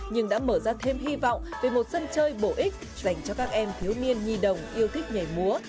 nhưng đã mở ra thêm hy vọng về một sân chơi bổ ích dành cho các em thiếu niên nhi đồng yêu thích nhảy múa